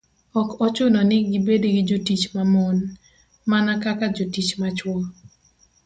ok ochuno ni gibed gi jotich ma mon, mana kaka jotich ma chwo.